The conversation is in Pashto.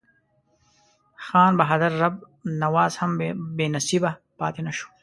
خان بهادر رب نواز هم بې نصیبه پاته نه شو.